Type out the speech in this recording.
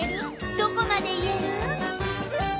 どこまで言える？